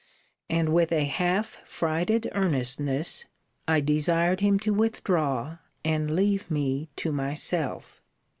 And, with a half frighted earnestness, I desired him to withdraw, and leave me to myself.